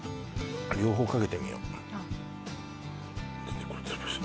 両方かけてみよう私